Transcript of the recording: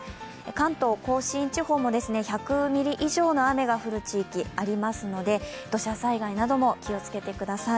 関東甲信地方も１００ミリ以上の雨が降る地域ありますので、土砂災害なども気をつけてください。